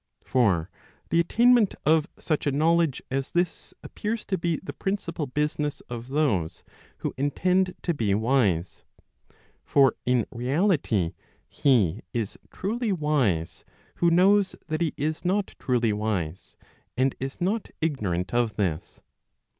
For the attainment of such a knowledge as this appears to b<* the principal business of those who intend to be wise. For in reality, he is truly wise, who knows that he is not truly wise, and is not ignorant of this.